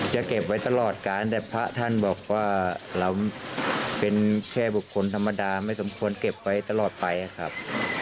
จะเก็บไว้ตลอดการแต่พระท่านบอกว่าเราเป็นแค่บุคคลธรรมดาไม่สมควรเก็บไว้ตลอดไปครับ